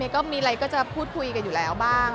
ก็มีอะไรก็จะพูดคุยกันอยู่แล้วบ้าง